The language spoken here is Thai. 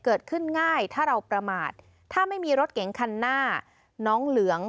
เกิดขึ้นง่ายถ้าเราประมาทถ้าไม่มีรถเก๋งคันหน้าน้องเหลือง